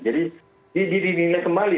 jadi didirinya kembali